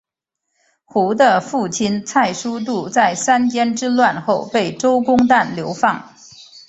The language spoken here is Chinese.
胡的父亲蔡叔度在三监之乱后被周公旦流放。